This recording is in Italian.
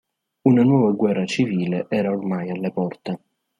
Una nuova guerra civile era ormai alle porte.